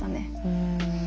うん。